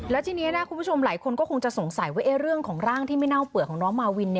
แล้วทีนี้นะคุณผู้ชมหลายคนก็คงจะสงสัยว่าเรื่องของร่างที่ไม่เน่าเปื่อยของน้องมาวิน